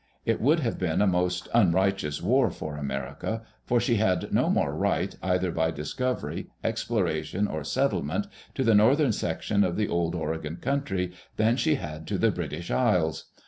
" It would have been a most unrighteous war for America, for she had no more right, either by discovery, exploration, or settlement, to the northern section of the Old Oregon country than she had to the British Isles.